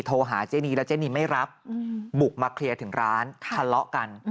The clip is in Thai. โทรหาเจนีแล้วเจนีไม่รับบุกมาเคลียร์ถึงร้านทะเลาะกัน